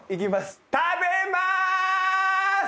食べます！